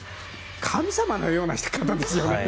神様のような方ですよね。